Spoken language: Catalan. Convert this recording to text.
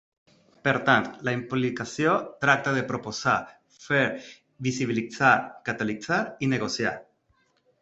Per tant la implicació tracta de proposar, fer, visibilitzar, catalitzar i negociar.